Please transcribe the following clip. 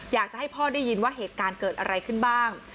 อยากจะให้พ่อได้ยินว่าเหตุการณ์เกิดอะไรขึ้นบ้าง